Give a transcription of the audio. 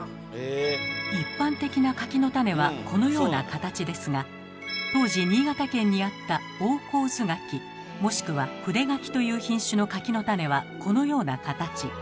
一般的な柿の種はこのような形ですが当時新潟県にあった大河津柿もしくは筆柿という品種の柿の種はこのような形。